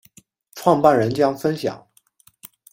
创办人将分享